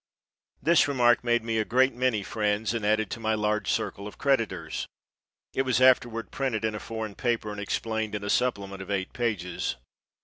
This remark made me a great many friends and added to my large circle of creditors. It was afterward printed in a foreign paper and explained in a supplement of eight pages.